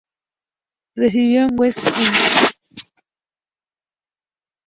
Residió en West End.